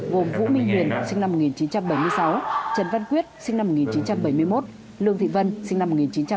gồm vũ minh huyền sinh năm một nghìn chín trăm bảy mươi sáu trần văn quyết sinh năm một nghìn chín trăm bảy mươi một lương thị vân sinh năm một nghìn chín trăm tám mươi